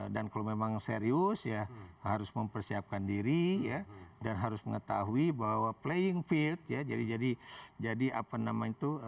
dan kalau memang serius ya harus mempersiapkan diri ya dan harus mengetahui bahwa playing field ya jadi jadi jadi apa namanya itu